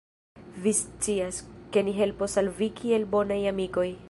Vi scias, ke ni helpos al vi kiel bonaj amikoj.